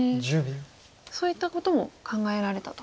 そういったことも考えられたと。